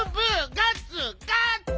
ガッツガッツ！